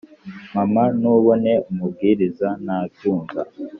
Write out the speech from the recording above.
mama ntubone, umubwiriza ntabyumva